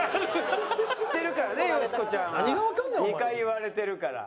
知ってるからねよしこちゃんは。２回言われてるから。